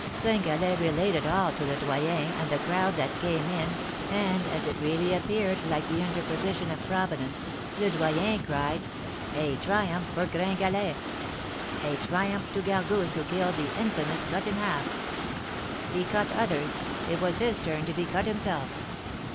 "Gringalet related all to Le Doyen and the crowd that came in, and, as it really appeared like the interposition of Providence, Le Doyen cried, 'A triumph for Gringalet! A triumph to Gargousse who killed the infamous Cut in Half! He cut others, it was his turn to be cut himself.'